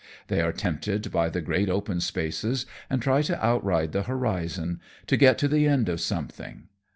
They are tempted by the great open spaces and try to outride the horizon, to get to the end of something.